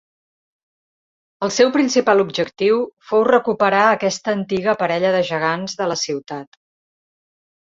El seu principal objectiu fou recuperar aquesta antiga parella de gegants de la Ciutat.